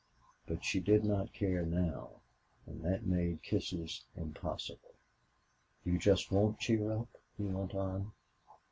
But she did not care now, and that made kisses impossible. "You just won't cheer up?" he went on.